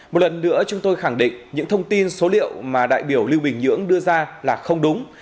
một lần nữa chúng tôi khẳng định những thông tin số liệu mà đại biểu lưu bình nhưỡng đưa ra là không đúng